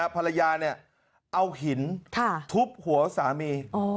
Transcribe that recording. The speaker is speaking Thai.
ภรรยาเอาหินทุบหัวสามี